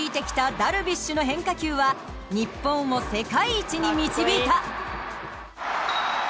ダルビッシュの変化球は日本を世界一に導いた！